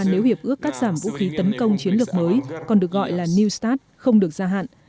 nếu hiệp ước cắt giảm vũ khí tấn công chiến lược mới còn được gọi là new start không được gia hạn